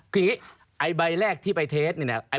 คืออย่างนี้ใบแรกที่ไปเทสเนี่ย